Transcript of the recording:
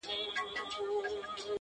شیرنۍ ته ریسوت وایې ډېر ساده یې